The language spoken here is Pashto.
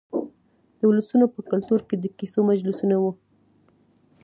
د ولسونو په کلتور کې د کیسو مجلسونه وو.